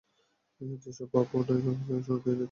যে সব পাপ ও অন্যায় কাজ সেখানে সংঘঠিত হত তিনি তা স্বকানে শুনলেন।